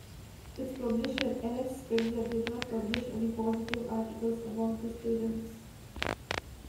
Its publisher, Axel Springer, did not publish any positive articles about the students.